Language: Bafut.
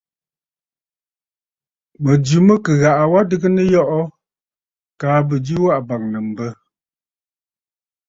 Mɨ̀jɨ mɨ kɨ ghaʼa wa adɨgə nɨyɔʼɔ kaa bɨjɨ waʼà bàŋnə̀ mbə.